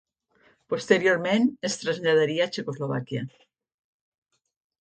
Posteriorment es traslladaria a Txecoslovàquia.